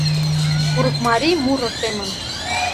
Курыкмарий муро семын